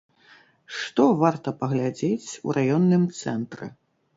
Што варта паглядзець у раённым цэнтры?